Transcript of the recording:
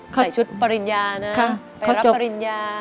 ใส่ชุดปริญญานะไปรับปริญญา